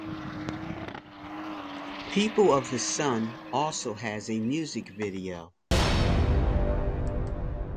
"People of the Sun" also has a music video.